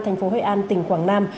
thành phố hội an tỉnh quảng nam